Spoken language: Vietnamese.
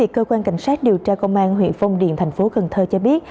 cơ quan cảnh sát điều tra công an huyện phong điền thành phố cần thơ cho biết